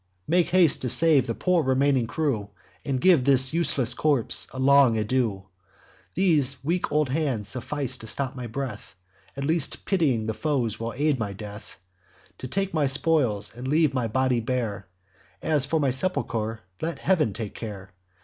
Make haste to save the poor remaining crew, And give this useless corpse a long adieu. These weak old hands suffice to stop my breath; At least the pitying foes will aid my death, To take my spoils, and leave my body bare: As for my sepulcher, let Heav'n take care.